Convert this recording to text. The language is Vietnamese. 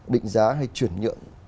định giá hay chuyển nhượng